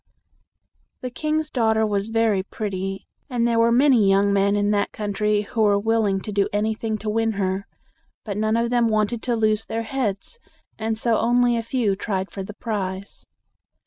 The king's daughter was very pretty, and there were many young men in that country who were willing to do anything to win her. But none of them wanted to lose their heads, and so only a few tried for the prize.